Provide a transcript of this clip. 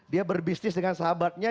dia berbisnis dengan sahabatnya